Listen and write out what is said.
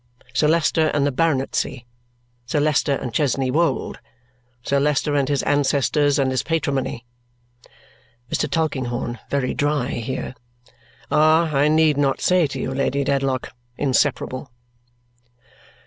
Sir Leicester and the baronetcy, Sir Leicester and Chesney Wold, Sir Leicester and his ancestors and his patrimony" Mr. Tulkinghorn very dry here "are, I need not say to you, Lady Dedlock, inseparable."